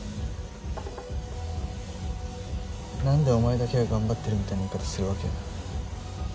なんでお前だけが頑張ってるみたいな言い方するわけ？